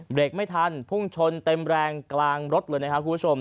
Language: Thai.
เบรกไม่ทันพุ่งชนเต็มแรงกลางรถเลยนะครับคุณผู้ชม